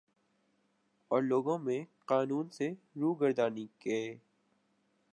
اور لوگوں میں قانون سے روگردانی کے